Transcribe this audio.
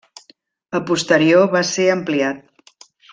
A posterior va ser ampliat.